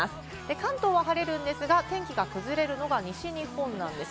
関東は晴れるんですが、天気が崩れるのが西日本なんです。